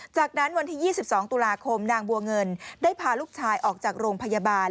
จากนั้นวันที่๒๒ตุลาคมนางบัวเงินได้พาลูกชายออกจากโรงพยาบาล